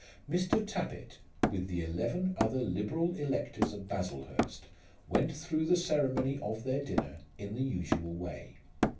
Mr. Tappitt with the eleven other liberal electors of Baslehurst went through the ceremony of their dinner in the usual way.